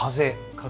風。